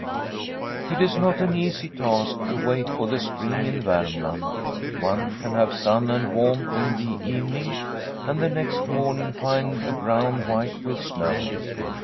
It is not an easy task to wait for the spring in Vermland. One can have sun and warmth in the evening, and 'the next morning find the ground white with snow.